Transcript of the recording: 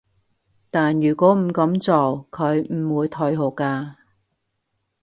但如果唔噉做，佢唔會退學㗎